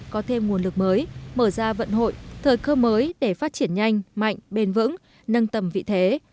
có thêm nguồn lực mới mở ra vận hội thời cơ mới để phát triển nhanh mạnh bền vững nâng tầm vị thế